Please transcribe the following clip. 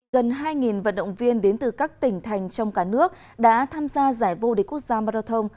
gần hai vận động viên đến từ các tỉnh thành trong cả nước đã tham gia giải vô địch quốc gia marathon